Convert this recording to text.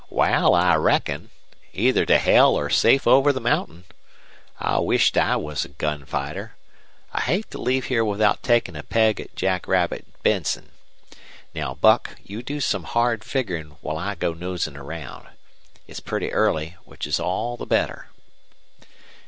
"Wal, I reckon. Either to hell or safe over the mountain! I wisht I was a gun fighter. I hate to leave here without takin' a peg at Jackrabbit Benson. Now, Buck, you do some hard figgerin' while I go nosin' round. It's pretty early, which 's all the better."